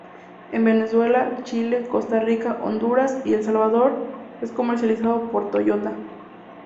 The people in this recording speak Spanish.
En Venezuela, Chile, Costa Rica, Honduras y El Salvador es comercializado por Toyota.